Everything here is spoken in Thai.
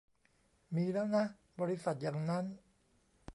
มีแล้วนะ บริษัทอย่างนั้น